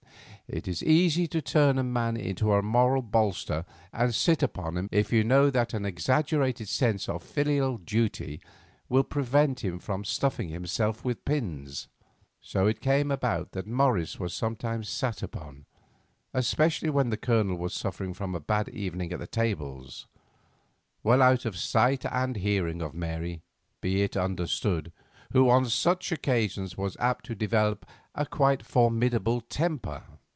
It is easy to turn a man into a moral bolster and sit upon him if you know that an exaggerated sense of filial duty will prevent him from stuffing himself with pins. So it came about that Morris was sometimes sat upon, especially when the Colonel was suffering from a bad evening at the tables; well out of sight and hearing of Mary, be it understood, who on such occasions was apt to develop a quite formidable temper.